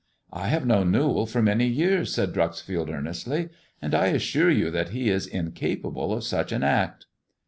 " I have known Newall for many years," said Dreuxfield earnestly, and I assure you that he is incapable of such an act."